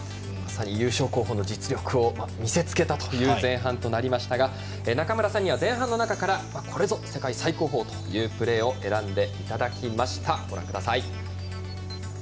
優勝候補の実力を見せ付けた前半となりましたが中村さんには前半の中からこれぞ世界最高峰というプレーを選んでいただきました。